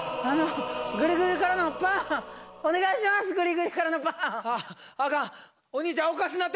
あのグリグリからのパンをお願いします。